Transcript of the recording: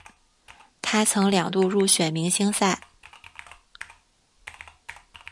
他曾两度入选明星赛。